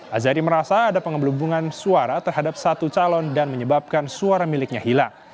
azari merasa ada pengelubungan suara terhadap satu calon dan menyebabkan suara miliknya hilang